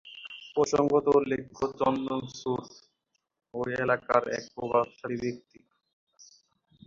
প্রসঙ্গত উল্লেখ্য, চন্দন সুর ঐ এলাকার এক প্রভাবশালী ব্যক্তি।